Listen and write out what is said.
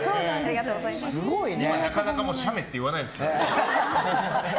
今なかなか写メって言わないですから。